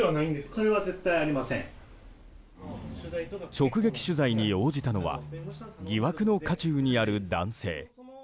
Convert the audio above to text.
直撃取材に応じたのは疑惑の渦中にある男性。